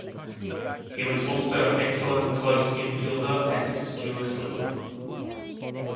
He was also an excellent close-in fielder and secure slipper.